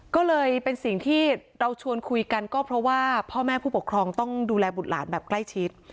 ก็เลยเป็นสิ่งที่เราชวนคุยกันก็เพราะว่าพ่อแม่ผู้ปกครองต้องดูแลบุตรหลานแบบใกล้ชิด